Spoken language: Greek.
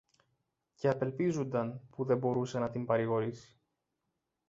και απελπίζουνταν που δεν μπορούσε να την παρηγορήσει.